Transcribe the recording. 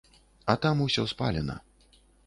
А там усё спалена.